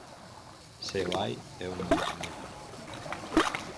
Se o hai, eu non o coñezo.